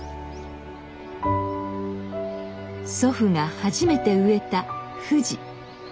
祖父が初めて植えたふじ。